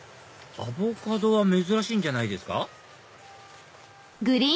アボカドは珍しいんじゃないですか？